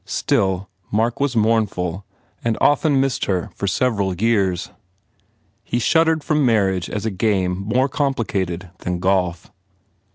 Still, Mark was mourn ful and often missed her for several years. He shuddered from marriage as a game more compli cated than golf.